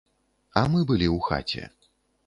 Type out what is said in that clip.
А мы былі ў хаце.